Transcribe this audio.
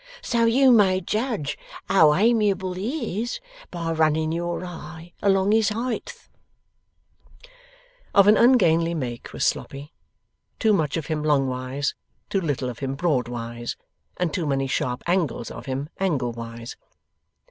So you may judge how amiable he is, by running your eye along his heighth.' Of an ungainly make was Sloppy. Too much of him longwise, too little of him broadwise, and too many sharp angles of him angle wise.